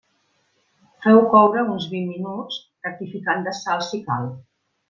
Feu-ho coure uns vint minuts, rectificant de sal si cal.